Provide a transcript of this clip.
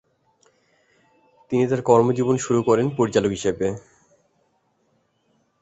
তিনি তার কর্মজীবন শুরু করেন পরিচালক হিসেবে।